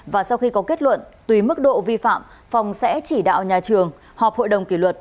và sau khi có kết luận tùy mức độ vi phạm phòng sẽ chỉ đạo nhà trường họp hội đồng kỷ luật